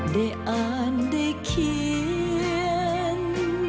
ได้อ่านได้เขียน